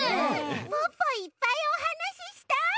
ポッポいっぱいおはなししたい！